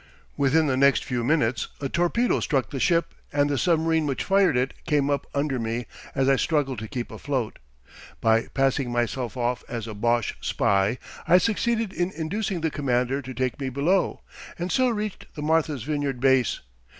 Within the next few minutes a torpedo struck the ship and the submarine which fired it came up under me as I struggled to keep afloat. By passing myself off as a Boche spy, I succeeded in inducing the commander to take me below, and so reached the Martha's Vineyard base.